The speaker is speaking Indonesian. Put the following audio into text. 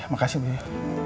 makasih bu yoyo